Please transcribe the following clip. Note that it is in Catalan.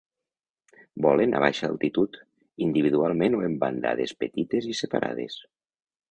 Volen a baixa altitud, individualment o en bandades petites i separades.